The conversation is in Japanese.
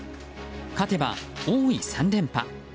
勝てば王位３連覇。